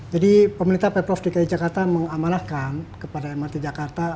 jadi pemerintah peprof dki jakarta mengamalkan kepada mrt jakarta